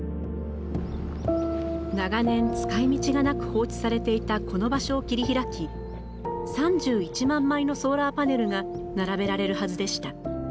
長年使いみちがなく放置されていたこの場所を切り開き３１万枚のソーラーパネルが並べられるはずでした。